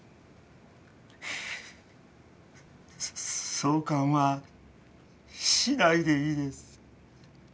挿管はしないでいいです。